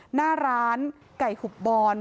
หน้าร้านไก่หุบบอน